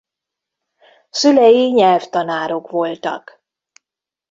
Szülei nyelvtanárok voltak.